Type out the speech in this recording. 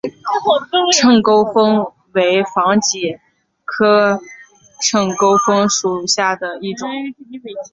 秤钩风为防己科秤钩风属下的一个种。